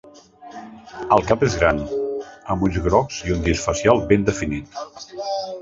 El cap és gran, amb ulls grocs i un disc facial ben definit.